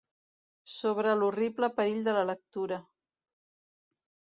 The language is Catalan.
Sobre l'horrible perill de la lectura.